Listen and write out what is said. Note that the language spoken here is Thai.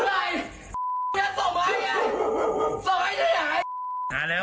มันเป็นไหมอันนี้